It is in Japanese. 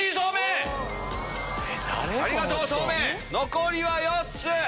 残りは４つ。